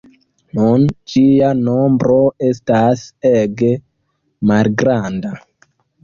Nun ĝia nombro estas ege malgranda.